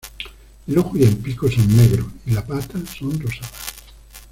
El ojo y el pico son negros y las patas son rosadas.